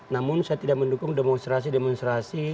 namun saya tidak mendukung demonstrasi demonstrasi